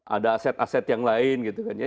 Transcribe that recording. ada aset aset yang lain gitu kan ya